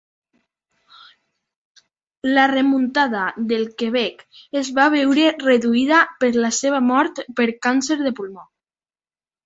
La remuntada del Quebec es va veure reduïda per la seva mort per càncer de pulmó.